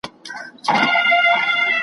وصال چه تصور کي وي اغیار به پکښي نه وي